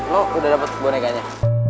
lo udah dapet bonekanya